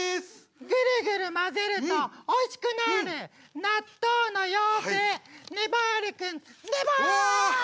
ぐるぐる混ぜるとおいしくなる納豆の妖精ねばる君ねば！